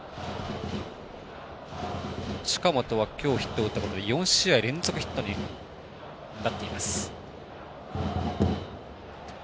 近本は今日ヒットを打ったことで４試合連続ヒットになっています。